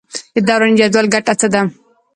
د دوراني جدول ګټه څه ده.